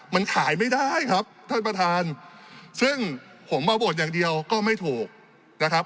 มันขายไม่ได้ครับท่านประธานซึ่งผมมาโหวตอย่างเดียวก็ไม่ถูกนะครับ